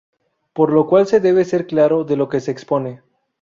Por lo cual se debe ser claro de lo que se expone.